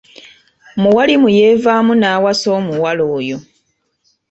Muwalimu yeevaamu n’awasa omuwala oyo.